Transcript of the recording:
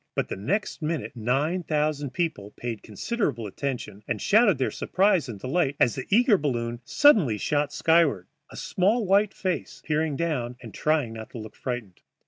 But the next minute nine thousand people paid considerable attention and shouted their surprise and delight as the eager balloon suddenly shot skyward, a small white face peering down and trying not to look frightened.